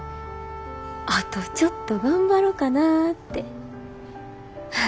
あとちょっと頑張ろかなて。